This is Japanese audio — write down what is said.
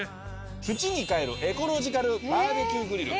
土に返るエコロジカルバーベキューグリル。